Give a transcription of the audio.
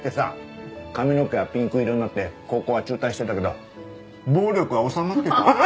髪の毛はピンク色になって高校は中退してたけど暴力は収まってた。